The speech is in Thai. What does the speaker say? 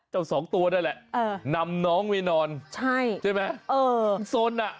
ค่ะสองตัวได้แหละนำน้องไปนอนใช่ไหมสนอ่ะ